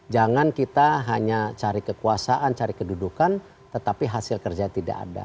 jangan kita hanya cari kekuasaan cari kedudukan tetapi hasil kerja tidak ada